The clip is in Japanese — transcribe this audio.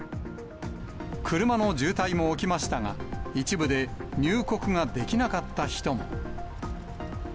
車の渋滞も起きましたが、一部で入国ができなかった人も。